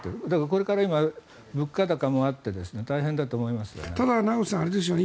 これから物価高もあって大変だと思いますよね。